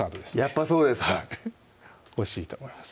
やっぱそうですかおいしいと思います